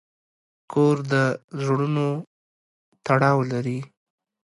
کور د زړونو تړاو لري.